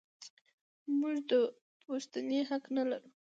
موږ د پوښتنې حق نه لرو.